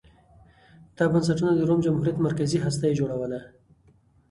دا بنسټونه د روم جمهوریت مرکزي هسته یې جوړوله